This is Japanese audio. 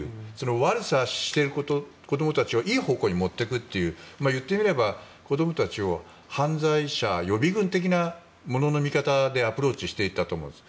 悪さをしている子どもたちをいい方向に持ってくるといういってみれば、子どもたちを犯罪者予備軍的なものの見方でアプローチしていたと思うんです。